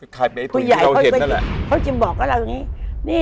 กลายเป็นไอ้ตัวนี้ที่เราเห็นนั่นแหละผู้ใหญ่เขาจะบอกกับเราอย่างงี้นี่